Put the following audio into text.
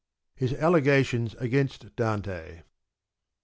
His Allegations against Dante.